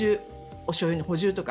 おしょうゆの補充とか。